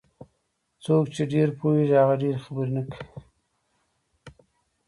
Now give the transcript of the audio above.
څوک چې ډېر پوهېږي ډېرې خبرې نه کوي.